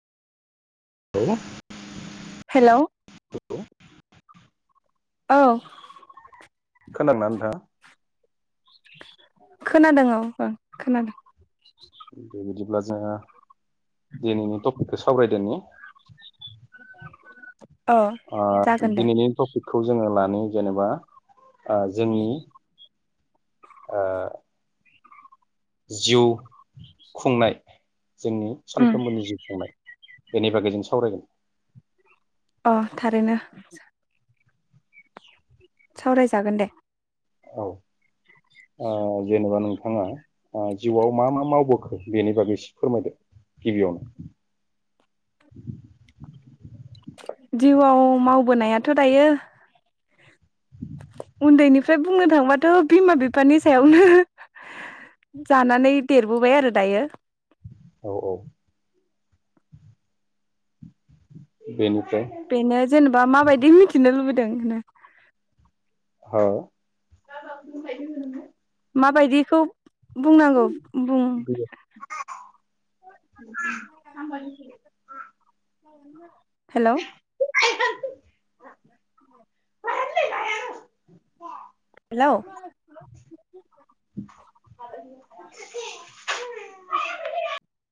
[unintelligible] Hello अ खोनादोंना नोंथां? खोनादों औ ओं खोनादों [unintelligible] अब्ला जोङो दिनैनि टपिकखौ सावरायदोनि औ ओ जागोन दे दिनैनि टपिकखौ जोङो लानि जेनेबा। ओ जोंनि। ओ। जिउ खुंनाय। जोंनि उम सानफ्रोमबोनि जिउ खुंनाय। बेनि बागै जों सावरायगोन। अ थारैनो। सावरायजागोन दे। औ। ओ जेनेबा नों थाङा ओ जिउआव मा मा मावबोखो बेनि बागै एसे फोरमायदो गिबियावनो। जिउआव मावबोनायाथ' दायो उन्दैनिफ्राय बुंनो थांबाथ बिमा बिफानि सायावनो जानानै देरबोबाय आरो दायो। औ औ। बेनि बेनो जेनेबा माबायदि मिथिनो लुबै दों नों। औ। माबायदिखौ बुंनांगौ बुं। बे [unintelligible] [inaudible] हेलौ। [unintelligible] हेलौ। [unintelligible]